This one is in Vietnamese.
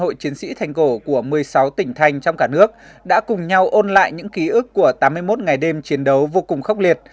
các hội chiến sĩ thành cổ của một mươi sáu tỉnh thành trong cả nước đã cùng nhau ôn lại những ký ức của tám mươi một ngày đêm chiến đấu vô cùng khốc liệt